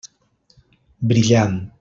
Brillant.